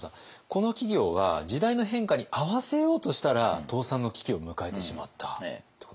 この企業は時代の変化に合わせようとしたら倒産の危機を迎えてしまったっていうことですね。